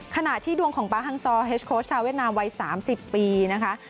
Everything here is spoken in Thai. ขณะที่ดวงของป๊าฮังซอร์เฮสโค้ชชาวเวียดนามวัย๓๐ปีนะคะ